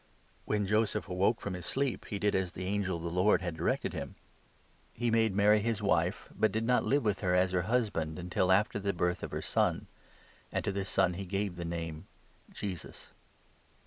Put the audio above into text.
When Joseph 24 awoke from his sleep, he did as the angel of the Lord had 23 Isa. 7. 14. MATTHEW, 1—2. 45 directed him. He made Mary his wife, but did not live with 25 her as her husband until after the birth of her son ; and to this son he gave the name Jesus.